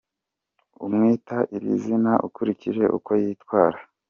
Umwita iri zina ukurikije uko yitwara .